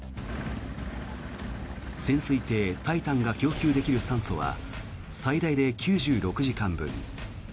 潜水艇「タイタン」が供給できる酸素は最大で９６時間分。